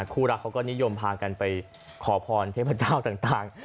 คู่รักเขาก็นิยมพากันไปขอพรเทพเจ้าต่าง